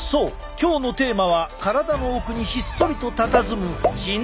今日のテーマは体の奥にひっそりとたたずむ腎臓！